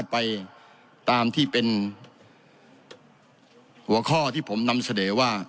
สะดวกไปตามที่เป็นหัวข้อที่ผมนำเสด็จว่า